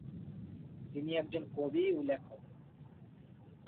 তিনি একজন কবি ও লেখক।